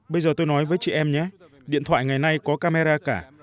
bây giờ tôi nói với chị em nhé điện thoại ngày nay có camera cả